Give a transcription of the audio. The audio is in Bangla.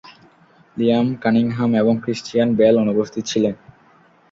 লিয়াম কানিংহাম এবং ক্রিশ্চিয়ান বেল অনুপস্থিত ছিলেন।